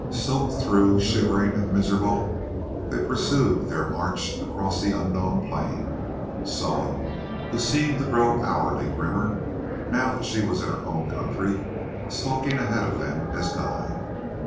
Soaked through, shivering, and miserable, they pursued their march across the unknown plain, Soa, who seemed to grow hourly grimmer now that she was in her own country, stalking ahead of them as guide.